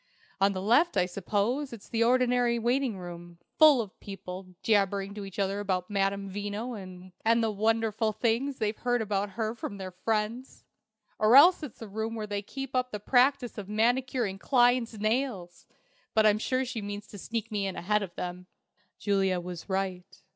On the left, I suppose, it's the ordinary waiting room, full of people jabbering to each other about Madame Veno and the wonderful things they've heard about her from their friends! Or else it's a room where they keep up the practice by manicuring clients' nails. But I'm sure she means to sneak me in ahead of them." Juliet was right.